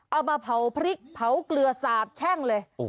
เอามาเผาพริกเผาเกลือสาบแช่งเลย